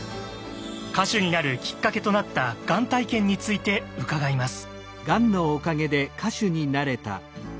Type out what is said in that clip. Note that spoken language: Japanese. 歌手になるきっかけとなったがん体験について伺います。